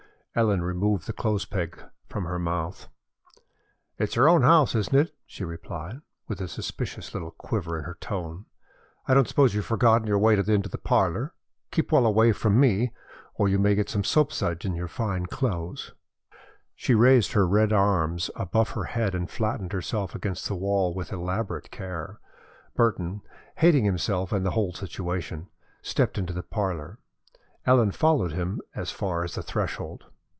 Ellen removed the clothes peg from her mouth. "It's your own house, isn't it?" she replied, with a suspicious little quiver in her tone. "I don't suppose you've forgotten your way into the parlor. Keep well away from me or you may get some soapsuds on your fine clothes." She raised her red arms above her head and flattened herself against the wall with elaborate care. Burton, hating himself and the whole situation, stepped into the parlor. Ellen followed him as far as the threshold.